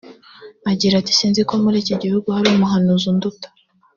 Agira ati “Si nzi ko muri iki gihugu hari umuhanuzi unduta